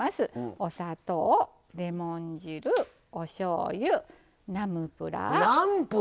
お砂糖、レモン汁、おしょうゆナムプラー